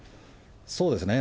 そうですね。